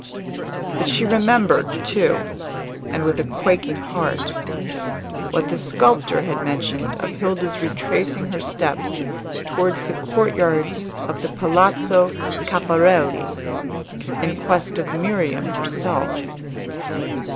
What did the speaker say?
But she remembered, too, and with a quaking heart, what the sculptor had mentioned of Hilda's retracing her steps towards the courtyard of the Palazzo Caffarelli in quest of Miriam herself.